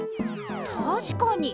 たしかに。